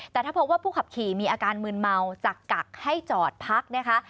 แต่ถ้าพบว่าผู้ขับขี่มีอาการมืนเมาจากกักให้จอดพักนะคะ